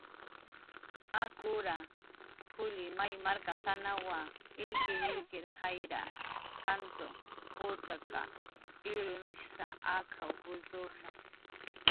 Akura, Juli may markasanawa, illkirillkirir jayra, kantu, putaka, ilrunushsa akaw kultursa.